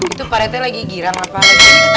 itu parete lagi girang lah parete